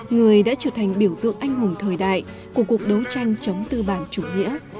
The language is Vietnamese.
người đã trở thành biểu tượng anh hùng thời đại của cuộc đấu tranh chống tư bản chủ nghĩa